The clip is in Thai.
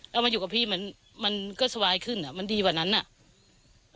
แล้วมาอยู่กับพี่มันมันก็สบายขึ้นอ่ะมันดีกว่านั้นอ่ะ